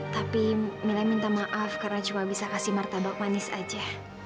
tapi mila minta maaf karena cuma bisa kasih martabak manis aja